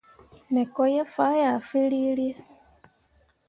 Me ko ye faa yah firere.